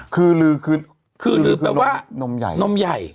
คือลือคือน้ำใหญ่